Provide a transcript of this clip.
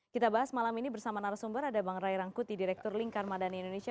kita bahas malam ini bersama narasumber ada bang ray rangkuti direktur lingkar madani indonesia